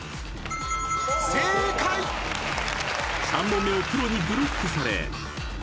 ［３問目をプロにブロックされ］